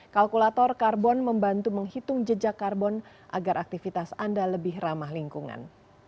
kalkulator karbon membantu menghitung jejak karbon agar aktivitas anda lebih ramah lingkungan